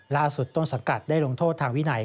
ล่าสุดต้นสังกัดได้ลงโทษทางวินัย